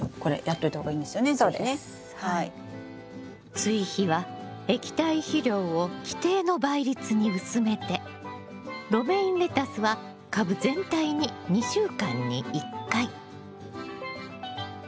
追肥は液体肥料を規定の倍率に薄めてロメインレタスは株全体に２週間に１回。